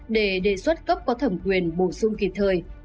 để đề xuất cấp có thẩm quyền bổ sung kịp thời